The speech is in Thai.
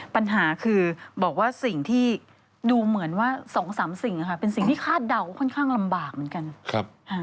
ปัญหาคือบอกว่าสิ่งที่ดูเหมือนว่า๒๓สิ่งเป็นสิ่งที่คาดเดาค่อนข้างลำบากเหมือนกัน